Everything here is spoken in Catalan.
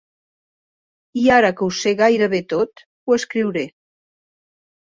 I ara que ho sé gairebé tot ho escriuré.